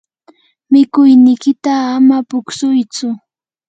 mikuynikiyta ama puksuytsu.